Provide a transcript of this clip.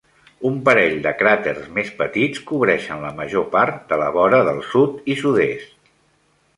Un parell de cràters més petits cobreixen la major part de la vora del sud i sud-est.